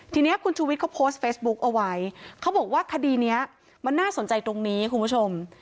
ทีนี้คุณชูวิทย์เขาโพสต์เฟซบุ๊กเอาไว้เขาบอกว่าคดีนี้มันน่าสนใจตรงนี้คุณผู้ชม